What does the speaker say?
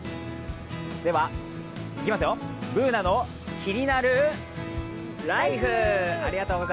では「ＢｏｏｎａのキニナルＬＩＦＥ」。